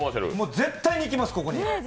絶対に行きます、ここに。